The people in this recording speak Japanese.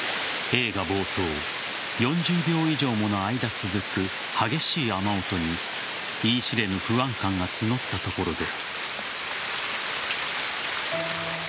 映画冒頭４０秒以上もの間続く激しい雨音に言い知れぬ不安感が募ったところで。